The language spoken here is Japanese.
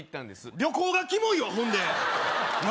旅行がキモいわほんで何？